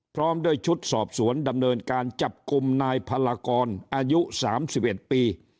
พร้อมด้วยชุดสอบสวนดำเนินการจับกลุ่มนายพลากรอายุ๓๑ปี